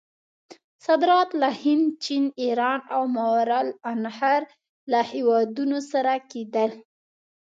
صادرات له هند، چین، ایران او ماورأ النهر له هیوادونو سره کېدل.